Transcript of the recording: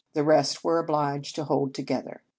The rest were obliged to hold together.